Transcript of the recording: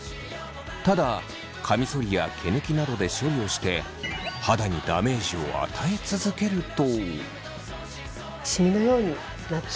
ただカミソリや毛抜きなどで処理をして肌にダメージを与え続けると。